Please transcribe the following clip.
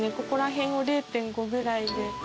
ここら辺を０．５ぐらいで。